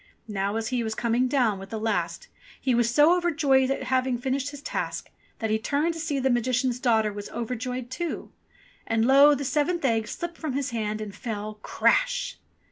Now, as he was coming down with the last, he was so overjoyed at having finished his task, that he turned to see if the Magician's daughter was overjoyed too : and lo ! the seventh egg slipped from his hand and fell "Crash!"